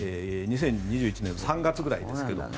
２０２１年の３月ぐらいですが。